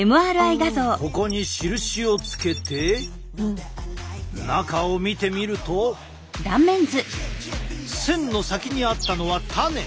ここに印をつけて中を見てみると線の先に合ったのはタネ！